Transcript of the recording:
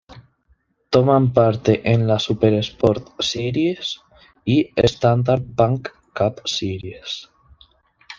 Toman parte en las Supersport Series y Standard Bank Cup Series.